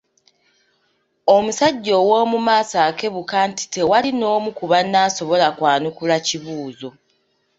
Omusajja ow’omu maaso akebuka nti tewali n’omu ku banne asobola kwanukula kibuuzo.